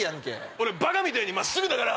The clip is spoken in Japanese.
俺バカみたいに真っすぐだから！